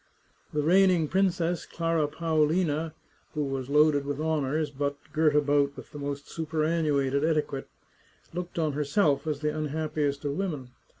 The reigning princess, Clara Paolina, who was loaded with honours, but, girt about with the most superannuated eti quette, looked on herself as the unhappiest of women.